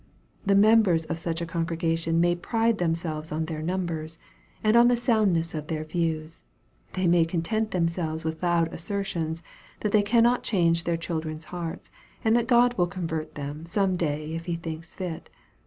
The members of such a congregation may pride themselves on their numbers, and on the soundness of their own views. They may content them selves with loud assertions that they cannot change their cnildren's hearts, and that God will convert them some day if he thinks fit.